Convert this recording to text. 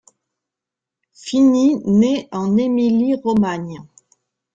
Fini naît en Émilie-Romagne.